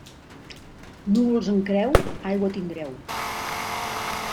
Núvols en creu, aigua tindreu.